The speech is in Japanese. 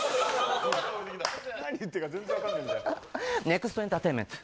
レッツエンターテインメント！